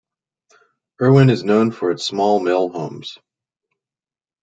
Irwin is known for its small mill homes.